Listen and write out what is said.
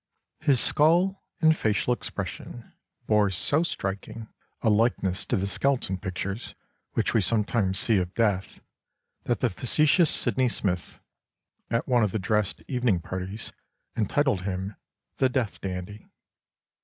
His skull and facial expression bore so striking a likeness to the skeleton pictures which we sometimes see of Death, that the facetious Sydney Smith (at one of the dressed evening parties ...) entitled him the 'Death dandy.